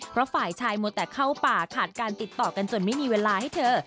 เพราะฝ่ายชายมัวแต่เข้าป่าขาดการติดต่อกันจนไม่มีเวลาให้เธอ